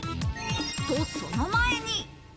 その前に。